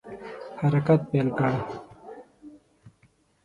حرکت پیل کړ.